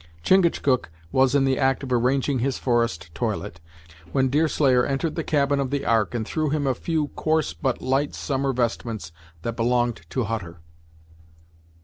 Chingachgook was in the act of arranging his forest toilet, when Deerslayer entered the cabin of the Ark and threw him a few coarse but light summer vestments that belonged to Hutter.